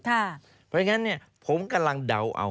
เพราะฉะนั้นผมกำลังเดาเอา